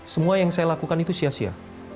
semua yang saya lakukan itu sia sia